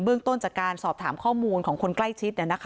ต้นจากการสอบถามข้อมูลของคนใกล้ชิด